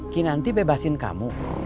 kinanti bebasin kamu